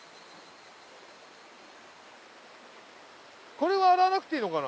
これは洗わなくていいのかな？